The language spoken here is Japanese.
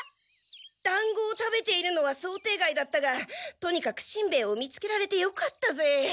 だんごを食べているのは想定外だったがとにかくしんべヱを見つけられてよかったぜ。